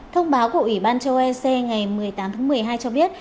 thông báo của ủy ban châu ec ngày một mươi tám tháng một mươi hai cho biết